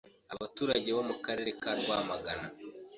Abaturage bo mu Karere ka Rwamagana